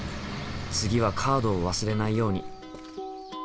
次はカードを忘れないように。